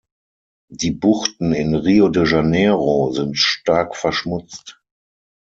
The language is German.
Die Buchten in Rio de Janeiro sind stark verschmutzt.